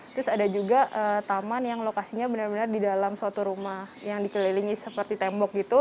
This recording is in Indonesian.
terus ada juga taman yang lokasinya benar benar di dalam suatu rumah yang dikelilingi seperti tembok gitu